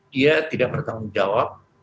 dia tidak bertanggung jawab